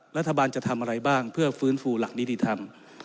รัฐบาลจะทำอะไรบ้างเพื่อฟื้นฟูหลักนิติธรรม